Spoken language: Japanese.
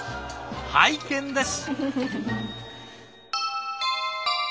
拝見です！